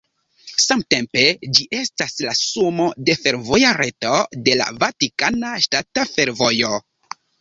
Samtempe ĝi estas la sumo de fervoja reto de la Vatikana Ŝtata Fervojo.